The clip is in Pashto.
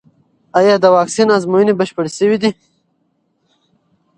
ایا د واکسین ازموینې بشپړې شوې دي؟